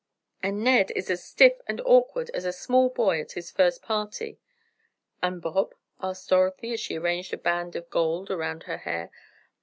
And Ned is as stiff and awkward as a small boy at his first party!" "And Bob?" asked Dorothy, as she arranged a band of gold around her hair.